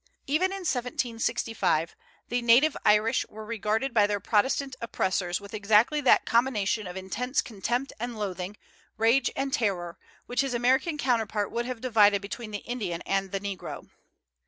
Even in 1765 "the native Irish were regarded by their Protestant oppressors with exactly that combination of intense contempt and loathing, rage and terror, which his American counterpart would have divided between the Indian and the Negro."